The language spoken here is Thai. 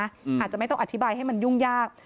อาจจะไม่ต้องอธิบายให้มันยุ่งยาก